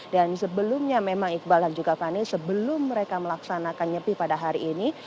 dan sebelumnya memang iqbal dan juga fani sebelum mereka melaksanakan nyepi pada hari ini